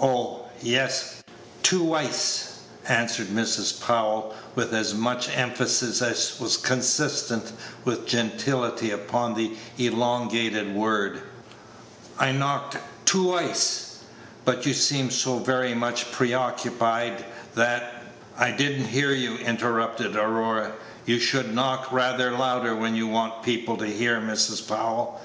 "Oh, yes, too wice," answered Mrs. Powell with as much emphasis as was consistent with gentility upon the elongated word; "I knocked too wice; but you seemed so very much preoccupied that " "I did n't hear you," interrupted Aurora: "you should knock rather louder when you want people to hear, Mrs. Powell.